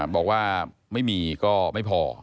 บอกว่าไม่มีก็ไม่พอ